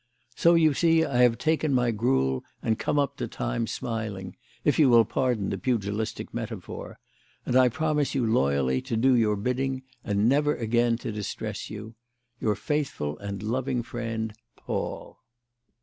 So you see, I have taken my gruel and come up to time smiling if you will pardon the pugilistic metaphor and I promise you loyally to do your bidding and never again to distress you. "Your faithful and loving friend, "PAUL."